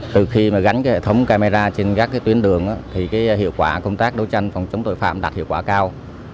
từ khi mà gắn hệ thống camera trên các tuyến đường thì hiệu quả công tác đấu tranh phòng chống tội phạm đạt hiệu quả cao